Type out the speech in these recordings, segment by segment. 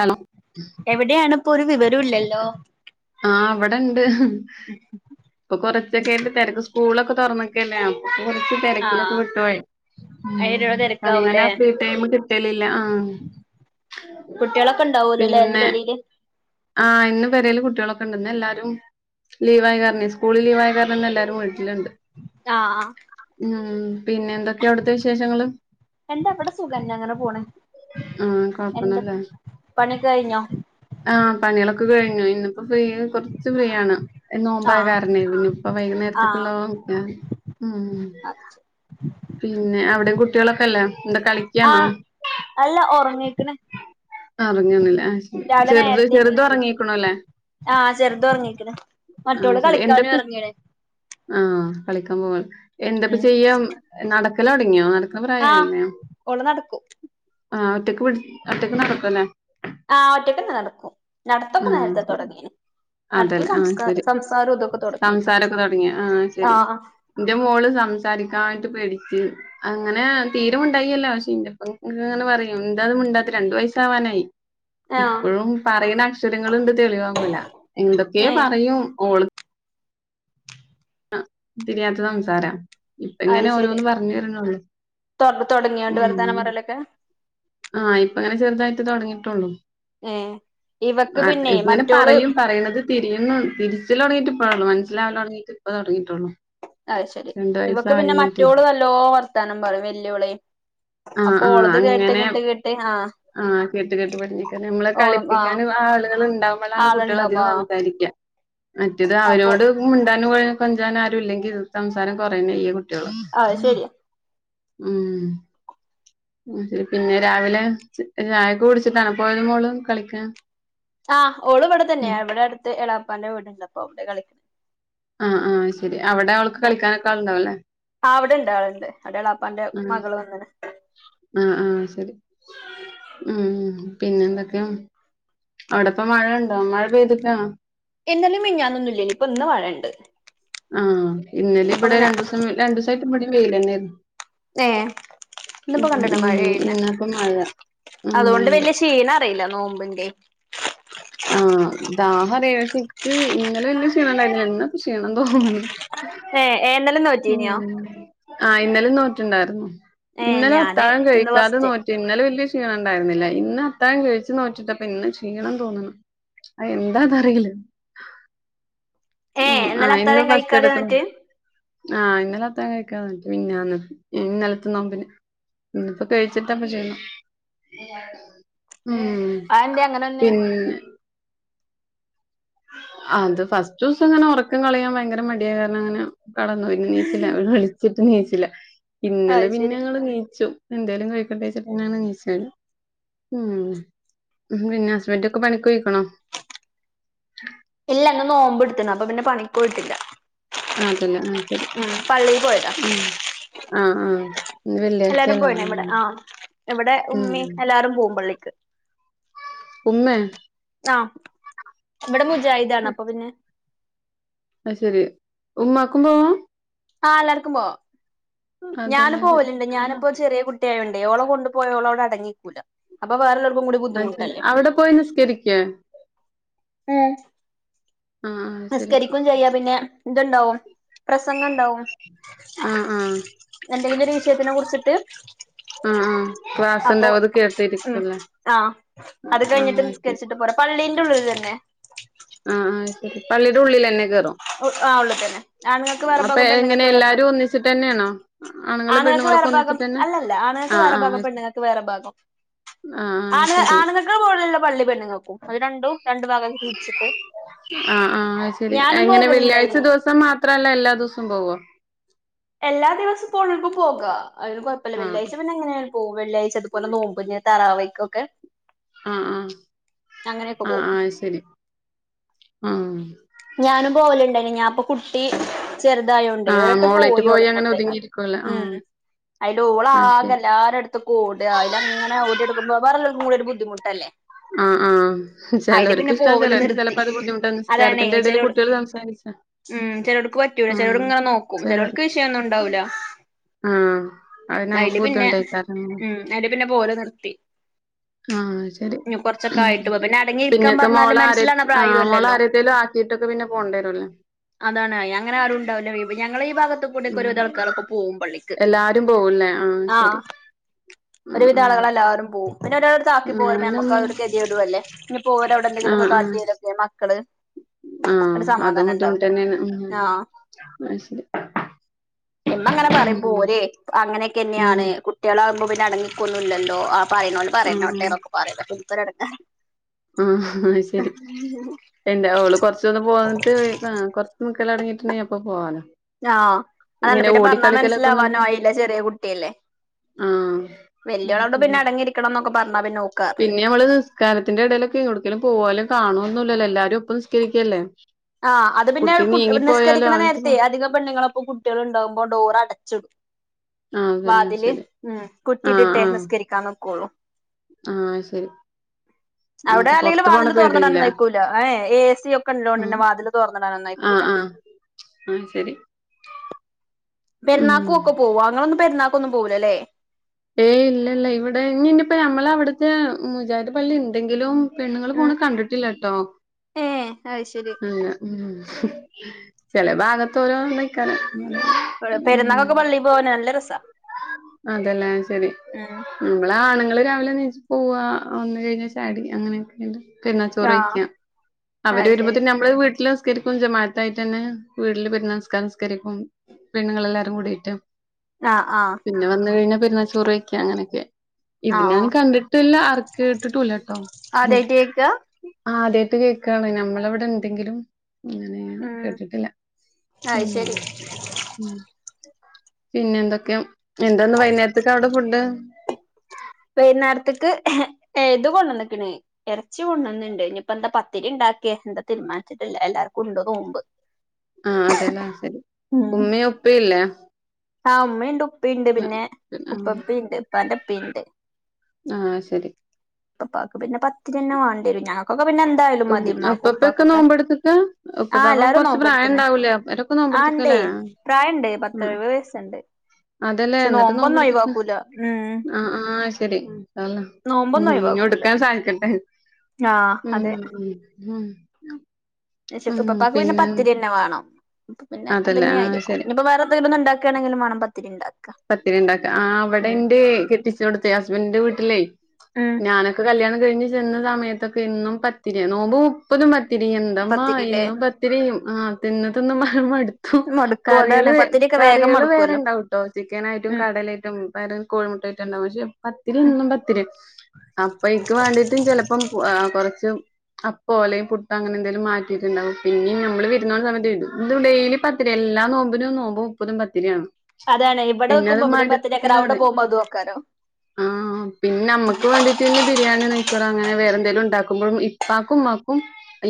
Hello എവിടെയണപ്പോ ഒരു വിവരം ഇല്ലല്ലോ? ആ അവിടെണ്ട് ഇപ്പൊ കൊറച്ചൊക്കെ്ട്ട് തിരക്ക് സ്കൂളൊക്കെ തുറന്നൊക്കല്ലേ അപ്പോ കുറച്ച് തിരക്കിലൊക്കെ ആഹ് വിട്ട്പോയി. ഉം അയിന്റെടോ അങ്ങനെ തിരക്കാവൂലേ ഫ്രീ ടൈം കിട്ടലില്ല ആഹ. കുട്ടികളൊക്കെ ഉണ്ടാവലോല്ലേ ഇന്ന് പേര്ല്. ആ ഇന്ന് വരൽ കുട്ടി. ണ്ട എല്ലാരും ലീവായ കാരണം സ്കൂളിൽ ലീവായ കാരണം എല്ലാരും വീട്ടിലുണ്ട്. ആഹ് ഉം പിന്നെ എന്തൊക്കെയ അവിടുത്തെ വിശേഷങ്ങൾ. എന്താ ഇവിടെ സുഖന്നെ അങ്ങനെ പോണ് ആ കൊഴപ്പന്നല്ലേ. പണിക്കഴിഞ്ഞോ. ആ പണികളൊക്കെ കഴിഞ്ഞു ഇന്നപ്പോ ഫ്രീ കുറച്ച് ഫ്രീ ആണ്. നോമ്പായ ആഹ് കാരണേ ഇനി ഇപ്പ ആഹ് വൈകുന്നേരത്തേക്കുള്ള നോക്ക ഉ മം. അത് ശരി പിന്നെ അവിടയും കുട്ടികളൊക്കെല്ലേ എന്താ കളിക്കയാണോ ആഹ് അല്ല ഉറങ്ങീക്ക്ണ്. ഉറങ്ങീന്നുല്ല ആ ശരി രാവിലെ ചെറുത് നേരത്തെ ചെറുത് എണീറ്റിന് ഉറങ്ങീക്ക്ണൂല്ലേ. ആഹ് ചെറുത് ഉറങ്ങീക്ക്ണ് മറ്റോള് കളിക്കാനും ഇറങ്ങീണ്. ആഹ കളിക്കാൻ പോ എന്തപ്പ ചെയ്യാ നടക്കൽ തുടങ്ങിയോ നട ആഹ ഓള് നടക്കും. ആഹ് ഒറ്റയ്ക്ക് ഒറ്റയ്ക്ക് നടക്കുല്ലേ. ആ ഒറ്റക്ക് നടക്കും നടത്തക്കെ ആഹ് നേരത്തെ ശരി. തുടങ്ങി അടുത്ത അതെല്ലേ ആഹ് സംസ്ക ശരി. സംസാരം ഇതൊക്കെ തുടക്കി സംസാരൊക്കെ തൊടങ്ങിയോ? ആഹ് ശരി. ആഹ. ഇന്റെ മോള് സംം സരിക്കായിട്ട് പേടിച്ച് അങ്ങനെ തീരമുണ്ടായില്ല പക്ഷെഇപ്പങ്ങനെ പറയും എന്ത [unintelligible] രണ്ടു വയസ് ആാവാനായി ആഹ് ഇപ്പഴും പറയുന്ന അക്ഷരങ്ങളണ്ട് തെളിവാൻ പോല എന്തൊക്കെയ ഏഹ് പറയും മോള് ആ തിരിയാത്ത സംസാരം ഇപ്പ അത് എങ്ങനെ ശരി ഓരോന്ന് പറഞ്ഞു. വരുന്നുള്ളൂ തൊട ഉ തൊടങ്ങിയോണ്ട് വർത്താനം പറയലൊക്കെ ആഹ് ഇപ്പ അങ്ങനെ ചെറുതായിട്ട് തുടങ്ങിട്ടുള്ളൂ. എ ആ ഇങ്ങനെ പറയും പറയണുന്നത് തിരിയുന്നു തിരിച്ചില് തുടങ്ങിട്ടള്ള ഇപ്പോഴാ മ [unintelligible] രാവിലെ തുടങ്ങീട്ട് ഇപ്പ തുടങ്ങി അ ശരി ഇവക്ക് പിന്നെ മറ്റോള് നല്ലോ വർത്താനം പറയും വെല്ലിവള് അപ്പൊ ഉളത് കേട്ടെ കേട്ട് കേട്ടെ ആഹ് ആഹ കേട്ട് കേട്ട്പഠഞ്ഞിക്ക നമ്മളെ കളിപ്പിക്കാനും ആ ആളുകൾ ഉണ്ടാവുമ്പോളാണ് കുട്ടികൾ ആളുണ്ടാവുമ്പോ അധികം ആ സംസാരിക്കുക മറ്റേത് അപ്പൊ അവരോട് മുണ്ടാനും കൊഞ്ചാന് ആരും ഇല്ലെങ്കി സംസാരം കുറയന്ന്യ ചെയ്യും കുട്ടികള് അത് ശരിയാ ഉം ശരി പിന്നെ രാവിലെ ചായക്ക് കുടിച്ചിട്ടാണ് പോയത് മോള് കളിക്കാൻ ആഹ് ഓള ഇവിടെ തന്നെയ ഉം. എവിടെ അടുത്ത് എളാപ്പാന്റ വീടുണ്ട് അപ്പോ അവിടെ കളിക്കണ ആഹ് ആ ശരി അവിടെ അവൾക്ക് കളിക്കാനൊക്കെ ആളുണ്ടാവും അല്ലേ ആ അവിടെണ്ട് ആളുണ്ട് അവിടെ ഇളയാപ്പാന്റെ മകള് വന്നെ ആഹ ആഹ ശരി ഉ പിന്നെ എന്തൊക്കെയ അവിടെപ്പ മഴുണ്ടോ മഴ പെയ്തിട്ട ഇന്നലിം മിഞ്ഞാനൊന്നും ഇല്ലായിരുനു ഇപ്പൊ ഇന്ന് മഴണ്ട് ആഹ ഇന്നലെ ഇന്നിപ്പോ ഇവിടെ ഇങ്ങനെ രണ്ടു ദിവസം രണ്ട് ദിവസായിട്ട് ഇവിടെം വെയില് തന്നൊയിരുന്നു ഏ ഇന്നിപ്പോ കണ്ടട ഉം മഴയിണ് ഇന്നപ്പ മഴ ഉം അതുകൊണ്ട് ഉണ്ട് വല്ല്യക്ഷീണം അറിയില്ല നോമ്പിന്റെ ആഹ ദാഹഅറ ഇന്നലെ വല്ല്യ ക്ഷീണല്ലായി ഇന്ന് ക്ഷീണം തോന്നുന്നു. ഏ ഏ ഇന്നലെ ഉ നോറ്റീനിയോ ആ ഇന്നലും നോറ്റുണ്ടായിരുന്നു ഏ ഇന്നലെ ഞാന് അത്താഴം ഇന്ന് കഴിക്കാതെ ഫസ്റ്റ് നോറ്റി ഇന്നലെ വലിയ ക്ഷീണ ഉണ്ടായിരുന്നില്ല ഇന്ന് അത്താം കഴിച്ചു നോറ്റിട്ടപ്പം ഇന്ന് ക്ഷീണം തോന്നുന്നു. എന്താന്നറിയില്ല ഏ ഉം ഇന്നലെ ആഹ് ഇന്ന് അത്താഴം ഫസ്റ്റ് കഴിക്കാതെ എടക്കുന്നു എന്നിട്ട് ആഹ് ഇന്നലത്താ കഴിക്കാന്നിട്ട് പിന്നെന്ന് ഇന്നലത്തെ നോമ്പിന് ഇപ്പോ കഴിച്ചിട്ടപ്പ ചെയ്യാം ഉം അതെന്തേ അങ്ങനെന്നെ പിന്നെ ആ അത് ഫസ്റ്റ് ദിവസം അങ്ങനെ ഉറക്കം കളയാൻ ഭയങ്കര മടിയായ കാരണം അങ്ങനെ കടന്നു പിന്നെ നീച്ചില്ല വിളിച്ചിട്ട് നീച്ചില്ല അത് ഇന്നലെ പിന്നെ ശരി ഞങ്ങള് നീച്ചു എന്തേലും കഴിക്കണ്ടേന്ന്വെച്ചിട്ടാണ് നിച്ചത് ഉം പിന്നെ ഹസ്ബൻഡൊക്കെ പണിക്കൊഴിക്കണോ ഇല്ല ഇന്ന് നോമ്പ് എടുത്തണ് അപ്പൊ പിന്നെ പണിക്ക്പോയിട്ടില്ല. ആ അതല്ലേ ഉം ഉം പള്ളീ പോയതാ ആ ആഹ് ഇന്ന് വെള്ളിയാഴ്ച്ച എല്ലാരും അല്ലെ പോയിണ് പറയും ഇവിടെ പോലെ ആ ഇവിടെ ഉമ്മി എല്ലാവാരും പോകും പള്ളിക്ക് ഉമ്മയൊ? ആ ഇവിടെ മുജായിദാണ് അപ്പൊ പിന്നെ അത് ശരി ഉമ്മാക്കും പോവാം? ആ എല്ലാർക്കും പോവാം അതല്ല ഞാന് അത് പോവലുണ്ട് ആഹ് ഞാനിപ്പോ ചെറിയ കുട്ടി കുട്ടി ആയോണ്ടേ കൊണ്ടു പോയോളോടെ അടങ്ങിക്കൂല അപ്പൊ വേറൊള്ളൊ ര്ക്കും കൂടി അത് ശരി ബുദ്ധിമുട്ടല്ലേ അവിടെ പോയി നിസ്കരിക്കേ ഉം ആഹ് ആഹ് ശരി നിസ്കരിക്കും ചെയ്യാ പിന്നെ ഇത്ണ്ടാകും പ്രസംഗം ഇ ണ്ടാവും ആഹ് ആഹ് എന്തെങ്കിലൊര് വിഷയത്തിനെ കുറിച്ച്ട്ട് ആഹ് ആഹ് ക്ലാസ് അപ്പൊ ഉണ്ടാവും അത് മ് കേട്ടിരിക്കുംല്ലേ ആഹ് അത് കഴിഞ്ട്ട് ആഹ് ശരി നിസ്കരിച്ച്ട്ട് പോരാ പള്ളീല് ഉള്ളില് തന്നെ ആഹ് ആഹ് ശെരി പള്ളീടെ ഉള്ളിലെന്നെ കേർ റോ? ആ ഉള്ളിൽ തന്നെ ആണുങ്ങൾക്ക് വേറെ അപ്പോ ഭാഗം എങ്ങനെ പെണ്ണുങ്ങൾക്ക് വേറെ ഭാഗം എല്ലാരും ഒന്നിച്ച് ട്ടെന്നേണോ ആണ്ങ്ങളും പെണ്ണ് ആണുങ്ങൾക്ക് വേറെ ഭാഗം അല്ലല്ല ആണ്ങ്ങക്ക് വേറെ ഭാഗം പെണ്ണ്ങ്ങക്ക് വേറെ ഭാഗം ആഹ് ആഹ് ആണ് ശരി ആണ്ങ്ങക്ക്‌ പോല്ള്ള പള്ളി പെണ്ണുങ്ങക്കും അത് രണ്ടും രണ്ടു ഭാഗാക്കി തീർ ആഹ് ആഹ് ശെരി ഞാനും എങ്ങനെ വെള്ളിയാഴ്ച പോകലുണ്ടായിനി ദിവസം മാത്രല്ല എല്ലാ ദിവസോം പോവോ എല്ലാ ദിവസവും പോണോൽക്ക്‌ പോകാ അതിന് കൊഴപ്പല്ല. ആഹ് വെള്ളിയാഴ്ച പിന്നെ എങ്ങനെ പോവും വെള്ളാഴ്ച്ച അത് പോലെ നോമ്പിന് തറാവീക്കൊക്കെ ആഹ് ആഹ് ആഹ് പോകും ആഹ് ശെരി ആഹ് ഞാനും പോവല്ണ്ടായ്നു ഞാപ്പൊ കുട്ടി ചെറ്തായോണ്ട് ആഹ് ഒരട്ടം മോളേറ്റ് പോയി ഒളേം അങ്ങനെ കൊണ്ട് ഒതുങ്ങിയിരിക്കുവല്ലേ മ് ആഹ് അയ്ല് അത് ഓളാകെ ശരി എല്ലാരെട്ത്ത്ക്കും ഓടാ അയ്ലങ്ങനെ ഓടിനടക്കുമ്പോ വേറെല്ലോൽക്കും കൂടി ഒര് ബുദ് ദ്ധിമുട്ടല്ലേ ആഹ് ആഹ് ചെലോര്ക്ക് ഇഷ്ട്ടാ പോവല് ചെലോര്ക്ക്‌ നിർത്തി ചെലപ്പോ അത് ബുദ്ധിമുട്ടാണ് നിസ്കാരത്തിന്റെ എടേല് കുട്ട്യാള് സംസാരിച്ച മ് ചെലോൽക്ക്‌ പറ്റൂല. ചെലോൽങ്ങനെ നോക്കും. ചെലോ ചചെലോൽക്ക്‌ വിഷയൊന്നുണ്ടാവൂല. ആഹ് അത് നമ്മക്ക് ബുദ്ധിട്ടയ്ക്കാരം. ഉം അയില് പിന്നെ പോവല് നിർത്തി ആഹ് ശെരി ഇനി കൊറച്ചൊക്കെ ആയിട്ട് പോ പിന്നെ അടങ്ങി ഇരിക്കാൻ പിന്നക്കെ പറഞ്ഞാല് മോളാരയ്‌ മനസ്സിലാവണ ആഹ് മോളെ പ്രായോല്ലല്ലോ ആരെയ്ത്തേലും ആക്കി ട്ടൊക്കെ പിന്നെ പോണ്ടേരുല്ലേ അതാണ് അങ്ങനെ ആരും ണ്ടാവൂല്ല ഞങ്ങള ഈ ഭാഗത്ത് കൂടെക്കെ ഉം ഒര് വിധം ആൾക്കാരൊക്കെ പോവും പള്ളിക്ക് എല്ലാരും പോവുംല്ലേ ആഹ് ശെരി ഒരു വിത ആള്കളെല്ലാരും പോവും പിന്നെ ഒരാളെട്ത്ത് ആക്കി പോരുമ്പോ ഞാനും ഞമ്മക്കത് കെത്യേടുല്ലേ പ്പോരവിടെ എന്തെങ്കിലൊക്കെ ആഹ് ആഹ് കാട്ട്യാലൊക്കെ മക്കള് അങ്ങട് ആഹ് അതും സമാധാനം ഉണ്ടാവൂല ബുദ്ധിമുട്ടന്നേണ് ഉം ആഹ് അത് ശരി ഇമ്മങ്ങനെ പറയും പോര് ഉം ഉം അങ്ങനെക്കെന്നെയാണ് കുട്ട്യാളാ ആവുമ്പോ പിന്നെ അടങ്ങിക്കൊന്നും ഇല്ലല്ലോ ആ പറയുന്നോരൊക്കെ പറഞ്ഞോട്ടെ എന്നൊക്കെ പറയലാ പിന്നെ ഇനിക്കൊര് എടങ്ങേറാ ആ ശരി എന്താ ഓള് കൊറചൊതു [unintelligible] കൊറച്ച് നിക്കാല് തൊടങ്ങീട്ട്ണ്ടെങ്കി അപ്പൊ പോവാലോ ആഹ് അതാണ് ഇങ്ങനെ പിന്നെ പറഞ്ഞാ ഓടിക്കളിക്കലൊക്കെ മനസ്സിലാവാനോ ഒന്നുണ്ട് ആയില്ല ചെറിയ കുട്ട്യാല്ലേ ആഹ് അത് വെല്ല്യോളോട് പിന്നെ ശരി അടങ്ങിയിരിക്കണം ന്നൊക്കെ പർഞ്ഞാ പിന്നെ ഓക്കറിം. ഇടേലൊക്കെ എട്ക്കേലൊക്കെ പോവാലും കാണോന്നുല്ലല്ലോ എല്ലാരും ഒപ്പം നിസ്കരിക്കല്ലേ. ആഹ് അത് പിന്നെ കുട്ടി കു നീങ്ങിപ്പോയാലോ നിസ്കരിക്കണ അവൾക്ക് പ നേരത്തെ അധിക പെണ്ണ്ങ്ങളൊപ്പം കുട്ട്യാള് ണ്ടാകുമ്പോ ഡോറടച്ച്ടും. ആ അതന്നെ വാതില് ശരി മ് കുറ്റിട്ട്ട്ടേ നിസ്കരിക്കാൻ നിക്കൊള്ളൂ. ആഹ് ശെരി അവടെ അല്ലെങ്കിലും വാതിൽ തൊർന്ന്ടാനൊന്നും അയക്കൂല. ഏ ഏസി ആ ഒക്കെള്ളോണ്ട്. ന്നെ വാതില് തോർന്ന് ടാനൊന്നും ആ അയക്കൂല. ആ ആ ശരി പെര്ന്നാക്കും ഉം ഒക്കെ പോവാ ങ്ങളൊന്നും പെര്ന്നാക്കൊന്നും പോവൂലലേ. ഏയ് ഇല്ല ഇല്ല ഇവടെ ഞ്ഞി ഞ്ഞിപ്പ ഞമ്മളവ്ട്ത്തെ മുജാഹിദ് പള്ളിണ്ടെങ്കിലും പെണ്ണ്ങ്ങൾ ഉം പോണ് കണ്ട്ട്ടില്ലട്ടോ ഏ അത് ശരി ല്ല മ് ചെല ഭാഗത്തോരോ [unintelligible] പെര്ന്നാക്കൊക്കെ പള്ളി പോവാന് നല്ല രസാ അതെ ല്ലേ ശെരി ഉം നമ്മളാ ആണ്ങ്ങള് രാവിലെ ണീച്ച് പോവാ വന്ന് കഴിഞ്ഞാ ചായ കുടിക്കാ അങ്ങനെയൊക്കെ ഉണ്ട് ആഹ് പെര്ന്നാചോറെയ്ക്ക്യ അവര് അത് ശരി വരുമ്പത്തിന് നമ്മള് വീട്ട്ല് നിസ്കരിക്കും ജമാഅത്തായിട്ട് തന്നെ വീട്ടില് പെര്ന്നാ നിസ്കാരം നിസ്കരിക്കും പെണ്ണ്ങ്ങളെല്ലാരും കൂടീറ്റ്. ആഹ് ആഹ് വന്ന് കഴിഞ്ഞ പെരുന്നാ ചോറയ്ക്ക അങ്ങനെക്കെ ഇത് ഞാൻ ആഹ് കണ്ടിട്ടില്ല അർ കേട്ടിട്ടുല്ല്യട്ടോ ആഹ് ആദ്യായിട്ട് കേക്കാ ആദ്യ ത് കേക്കാണ് ഞമ്മളവ്ടെണ്ടെങ്കിലും അങ്ങനെ ഞാ ഉം കേട്ടിട്ടില്ല ഉം അത് ശരി ഉം പിന്നെ എന്തൊക്കെയാ എന്താന്ന് വൈന്നേര്ത്ത്ക്കവ്ടെ ഫുഡ് വൈന്നേരത്ക്ക് ഇത് കൊണ്ടന്ന്ക്ക്‌ണ് എറച്ചി കൊണ്ടന്ന്ണ്ട് ഇഞ്ഞിപ്പന്താ പത്തിരി ഇണ്ട ക്കെ ന്താ തീര്മാൻച്ച്ട്ട്ല്ല എല്ലാർക്കുംണ്ട് നോമ്പ് ആ അതെല്ലാം ശരി ഉമ്മിം ഉപ്പല്ലേ ആ ഉമ്മയുണ്ട് ഉപ്പീണ്ട് പിന്നെ ആഹ് ഉപ്പപ്പിണ്ട് ഇപ്പാന്റെ ഇപ്പീണ്ട് ആഹ് ശരി ഉപ്പാക്ക് പിന്നെ പത്തിരിന്നെ വാണ്ടിവരും ഞങ്ങക്ക്‌ ഇപ്പ പിന്നെ എന്തായാലും മതി ഉപ്പപ്പൊക്കെ ഇമ്മാക്കുപ്പാക്കൊക്കെ നോമ്പെടുത്ത്ക്കാ ആ ഉപ്പപ്പാക്ക് എല്ലാരും കൊറച്ച് പ്രായം നോമ്പട്ത്തെണ് ഉണ്ടാവൂലേ അവരൊക്കെ ആ ണ്ടേ നോമ്പെടുത്ത്ക്കല്ലേ പ്രായണ്ട് പത്തെഎഴുവത് വയസ്സ്ണ്ട് അതെല്ലേ ന്ന്ട്ട് നോമ്പ്ട്ത്ത്ട്ട് ഉം ആ ആ ശെരി [unintelligible] ഉം ഹും ഇഞ്ഞുട്ക്കാൻ സാധിക്കട്ടെ ആ ഉം അതെ ഉം നീചിട്ട് ഇപ്പപ്പാക്ക് പിന്നെ പത്തിര്യെന്നെ വേണം പിന്നെ അതല്ലേ ആഹ് അതന്നെയായിരിക്കും ശരി ഇഞ്ഞിപ്പം വേറെ ത് ബട്ന്ന് ണ്ടാക്കാണെങ്കിലും മാണം പത്തിരിണ്ടാ പത്തിരിണ്ടാക്ക ആ വടെന്റെ കെട്ടിച്ചോട്ത്തെ ഹസ്ബൻന്റെ വീട്ട്ലേ ഉം ഞാനൊക്കെ കല്യാണം കഴിഞ്ഞ് ചെന്ന സമയത്തൊക്കെ എന്നും പത്തിരി നോമ്പ് മുപ്പതും പ ത്തിരി എന്തമ്മാ പത്തിരില്ലേ ഇന്നും പത്തിരി ആ തിന്ന് തിന്ന് മ മട് മടുക്കും അതാണ് കറികള് പത്തിരിയൊക്കെ വേഗം കറികള് മടുക്കുവല്ലോ വേറെണ്ടാവുട്ടോ ചിക്കനായിട്ടും ഉം കടലേയിട്ടും പ്പര് കോഴിമുട്ടേറ്റണ്ടാവും പക്ഷെ പത്തി ഉം എന്നും പത്തിരി അപ്പൊ ഇൻക് വാണ്ടിട്ടു ചെലപ്പം ആ കൊറച്ച് അപ്പോലെ പുട്ട് അങ്ങനെ എന്തേലും മാറ്റിയിട്ടുണ്ടാവും പിന്നെ നമ്മള് വിരുന്നൊണ സമയത്ത് ഇത് ഡെയിലി പത്തിരിയ- എല്ലാ നോമ്പിനും നോമ്പ് മുപ്പതും പത്തിരി ആണ് അതാണ് ഇവിടോക്കുമ്പോ ഇവിടേം പത്തിരിഎയ്കാര അവിടെ പോവുമ്പം അതുഅക്കാരോ ആ പിന്നമ്മക്ക് വേണ്ടീട്ട്ന്നെ ബി ബിരിയാണി നെയ്‌ച്ചോറോ അങ്ങനെ വേറെന്തേലും ഇണ്ടാക്കുമ്പഴും ഇപ്പാക്കും മ്മാക്കും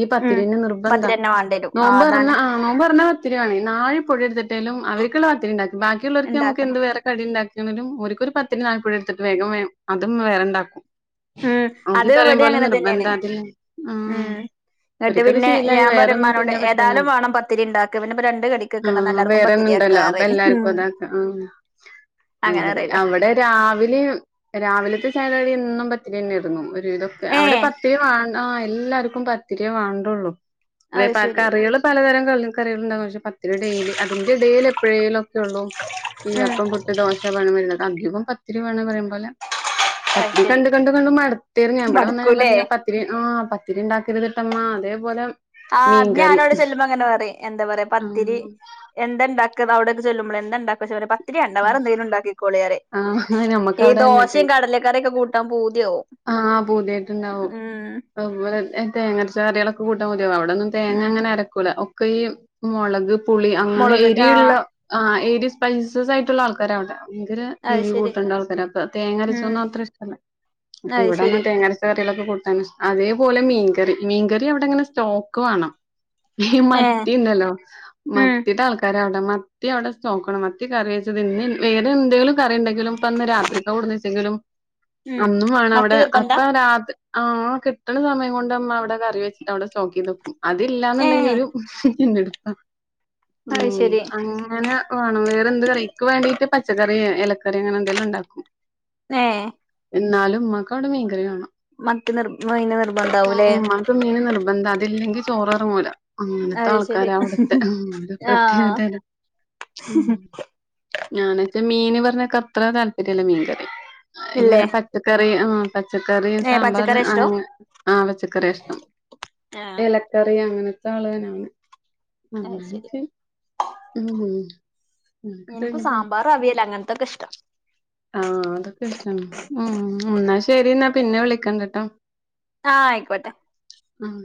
ഈ ഉം പത്തിരിയെന്നെ നിർബന്ധാ പത്തിരി തന്നെ വേണ്ടി വരും ആ നോമ്പ്ർന്നാ അതാണ് ആ നോമ്പൊർന്ന ത്തിരി ആണ് നാഴി പൊടിട്ത്ട്ടേലും അവര്ക്ക്‌ള്ള പത്തിരിണ്ടാക്കും ബാക്കിള്ളോർക്ക്‌ നമുക്ക് ഉണ്ടാക്കണം എന്ത് വേറെ കടിണ്ടാ യെന്നിട്ടും ഓര്ക്കൊരു പത്തിരി നായ്പൊടിട്ത്ട്ട് വേഗം വേം അതുമ്മാ വേറെണ്ടാക്കും ഉം അതി അത് പറയും ഇവിടെ പോലെ അങ്ങനെ തന്നെയാണ് നിർബന്ധാക്കില്ലെ ആ ഉം ന്നട്ട് പിന്നെ ഞാൻ പറിംമ്മാനോട് പറ്റൂല ഏതാലും വാണം പത്തിരിണ്ടാക്ക പിന്നെപ്പ രണ്ട് കടിക്ക്‌ക്കാണോ ന്ന എല്ലാര്ക്കും പത്തിരിയാ ണ്ടല്ലോ അപ്പൊ എല്ലാര്ക്കും അതാ ആ അങ്ങനെ തന്നെ ആ ഇവിടെ രാവിലിം രാവിലത്തെ ചായകടി എന്നും പ പത്തിരിയന്നെ തിന്നൂ ഒരു വിതൊക്കെ അവിടെ ഏഹ് പത്തിരി വാണം ആ എല്ലാര്ക്കും പത്തിരിയെവാണ്ടുള്ളൂ വേ അത് പാക്ക ശരി കറികള് പലതരം കറി കറികള്ണ്ടാവും പക്ഷെ പത്തിരി ഡേയ്‌ല് അതിന്റെ ഇടേല് എപ്പഴേലും ല്ള്ളൂ ഈ ഉം അപ്പം പുട്ട് ദോശ വേണം വര്ന്നോല്ക്ക് അധികം പത്തിരി വേണം പറയുമ്പോലെ അത് പത്തിരി ശരി കണ്ട് കണ്ട് കണ്ട് മട്ത്ത്ണ് ഞാൻ ബടെ വന്ന ഞാൻ മടുക്കൂലേ പറിം ഞാ പത്തിരി ആ പത്തിരിണ്ടാക്കരുത്ട്ടമ്മാ അതേപോലെ ആ അത് മീൻകറി ഞാനവിടെ ചെല്ലുമ്പോ അങ്ങനെ പറിം എന്താ പറയാ ആ പത്തിരി എന്താണ്ടാ ക്ക അവ്ടൊക്കെ ചെല്ലുമ്പളേ എന്തണ്ടാക്കാെയ്ച്ച ഞ [unintelligible] പ പത്തിരി ആണ്ട വേറെന്തേലും ണ്ടാക്കിക്കോളിയറിം ആ നമ്മക്ക് ഈ അവിടെ കണ്ടിട്ട് ദോശേം കടലക്കറിക്കെ കൂട്ടാൻ പൂ ആ പുതിയേത്ട്ട്ണ്ടാവും ഉം അതുപോലെ തേങ്ങരച്ച കറിയളൊക്കെ കൂട്ടാൻ ഒ അവ്ടെന്നും ഉം തേങ്ങങ്ങനെ അരക്കൂല ഒക്കെ ഈ മൊളക് പുളി അങ്ങനെ മൊളക് എരിയ്‌ള്ള ആഹ് ആ എരി സ്പൈസസ് ആയിട്ടുള്ള ആൾക്കാര അവടെ ഭയങ്കര അത് എരിവ് ശരി കൂട്ടണ്ടാവും ചെല ആൾക്കാർ ഉം തേങ്ങരച്ചൊന്നും അത്ര ഇഷ്ടല്ല അപ്പൊ അത് ശരി ഇവിടങ്ങനെ തേങ്ങരച്ച കുട്ടളൊക്കെ കൂട്ടും അതേപോലെ മീൻകറി മീൻകറി അവിടെങ്ങനെ സ്റ്റോക്ക് വേണം ഏഹ് മത്തിന്നല്ലോ ഉം മത്തിട്ട ആൾക്കാര മത്തി അവിടെ നോക്കണം മത്തി കറി വെച്ചത് ഇന്ന് വേറെ എന്തെങ്കിലും കറി ഉണ്ടെങ്കിലും ഇപ്പൊന്ന് രാത്രിക്കവിടന്ന് വെച്ചെങ്കിലും [inaudible] മത്തി അന്നുംവാണവിടെ നിർബന്ധാ അപ്പ രാത് ആഹ് കിട്ടണ സമയം കൊണ്ട്മ്മ അവിടെ കറി വെച്ചിട്ട് അവിടെ സോക്കിതക്കും അതില്ലാന്നുണ്ടെങ്കി ഏഹ് ഒരു ന്നെടുപ്പ അത് ശരി അങ്ങനെ വേണം വേറെന്ത് കറി ക്ക്‌ വേണ്ടീട്ട് പച്ചക്കറി കു ഇലക്കറി അങ്ങനെ എന്തെല്ലാം ഉണ്ടാക്കും ഏഹ് എന്നാലും ഉമ്മക്ക്വുടെ മീൻകറി വേണം മത്തി നിർ മീന് നിർബന്ധാവൂലേ ഉമ്മാക്ക് മീന് നിർബന്ധ അല്ലെങ്കിൽ ചോററങ്ങൂല അങ്ങനത്തെ അത് ആൾക്കാര ശരി അവിടുത്തെ ആഹ് പ്രത്യേകതല്ല ഉ ഞാനച്ച മീന് പറഞ്ഞക്കെ അത്ര താല്പര്യല്ല മീൻകറി ഇല്ലേ ഇങ്ങനെ പച്ചക്കറി ആ പച്ചക്കറി ഏ സാമ്പാർ പച്ചക്കറി ഇഷ്ടോ അങ്ങനെ ആഹ് പച്ചക്കറി ഇഷ്ടം ആഹ് ഇലക്കറി അങ്ങനെ ആളനാണ് അത് ശരി അക്ക് ഉ എനിക്ക് സാമ്പാറും അവിയല അങ്ങനത്തൊക്കെ ഇഷ്ടം ആഹ അതൊക്കെ ഇഷ്ട ഉ എന്നാ ശരി എന്നാ പിന്നെ വിളിക്കണ്ടിട്ടോ ആഹ് ആയിക്കോട്ടെ ആഹ്